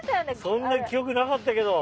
んな記憶無かったけど。